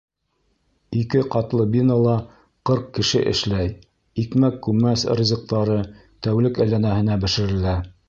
Ике ҡатлы бинала ҡырҡ кеше эшләй, икмәк-күмәс ризыҡтары тәүлек әйләнәһенә бешерелә.